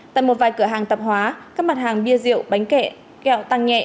tại một vài cửa hàng tập hóa các mặt hàng bia rượu bánh kẹ kẹo tăng nhẹ